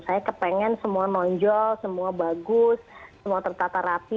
saya kepengen semua nonjol semua bagus semua tertata rapi